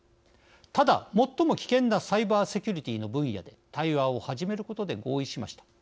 ただ最も危険なサイバーセキュリティの分野で対話を始めることで合意しました。